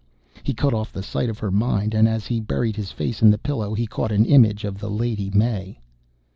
He cut off the sight of her mind and, as he buried his face in the pillow, he caught an image of the Lady May.